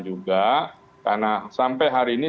juga karena sampai hari ini